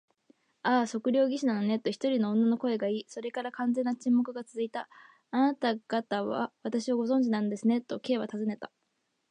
「ああ、測量技師なのね」と、一人の女の声がいい、それから完全な沈黙がつづいた。「あなたがたは私をご存じなんですね？」と、Ｋ はたずねた。